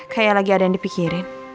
kayak lagi ada yang dipikirin